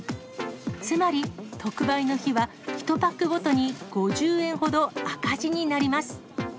つまり特売の日は、１パックごとに５０円ほど赤字になります。